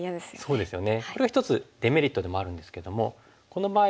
そうですね。